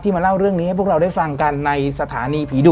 มาเล่าเรื่องนี้ให้พวกเราได้ฟังกันในสถานีผีดุ